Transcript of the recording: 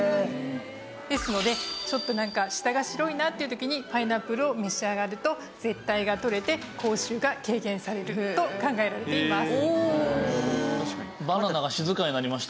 ですのでちょっとなんか舌が白いなっていう時にパイナップルを召し上がると舌苔が取れて口臭が軽減されると考えられています。